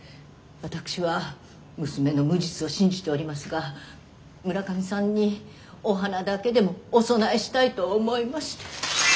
私は娘の無実を信じておりますが村上さんにお花だけでもお供えしたいと思いまして。